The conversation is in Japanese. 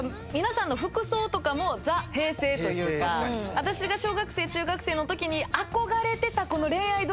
私が小学生中学生の時に。